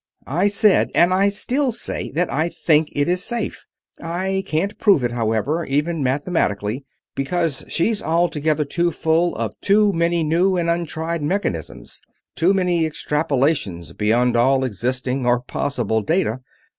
"I said, and I still say, that I think it is safe. I can't prove it, however, even mathematically; because she's altogether too full of too many new and untried mechanisms, too many extrapolations beyond all existing or possible data.